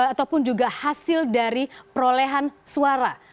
ataupun juga hasil dari perolehan suara